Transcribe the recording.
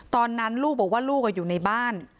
ตอนนั้นลูกบอกว่าลูกอยู่ในบ้าน